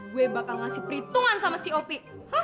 gue bakal ngasih perhitungan sama si op